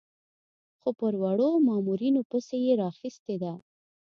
خو پر وړو مامورینو پسې یې راخیستې ده.